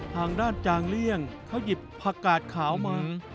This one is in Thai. ทางด้านจางเลี่ยงเขาหยิบผักกาดขาวมา